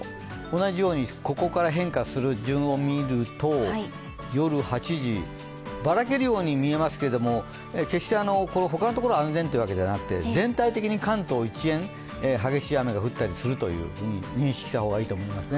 同じように、ここから変化する順を見ると、夜８時、バラけるように見えますけれど決して他のところは安全ということじゃなくて、全体的に関東一円、激しい雨が降ったりすると認識した方がいいと思いますね。